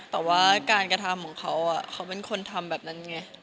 แต่ว่าการกระทำของเขาเขาเป็นคนทำแบบนั้นไง